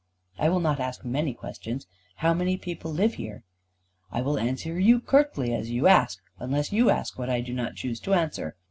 "I will not ask many questions. How many people live here?" "I will answer you curtly as you ask, unless you ask what I do not choose to answer.